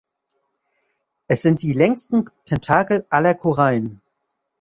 Es sind die längsten Tentakel aller Korallen.